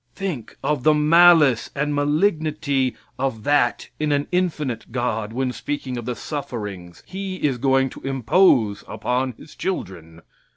Think of the malice and malignity of that in an infinite God when speaking of the sufferings He is going to impose upon His children.